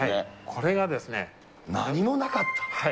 これが何もなかった。